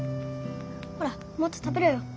ほらもっと食べろよ。